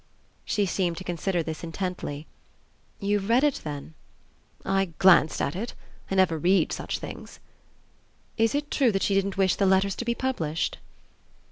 She seemed to consider this intently. "You've read it, then?" "I glanced at it I never read such things." "Is it true that she didn't wish the letters to be published?"